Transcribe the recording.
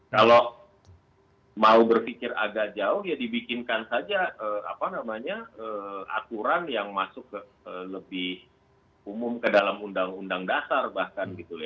kalau mau berpikir agak jauh ya dibikinkan saja aturan yang masuk lebih umum ke dalam undang undang dasar bahkan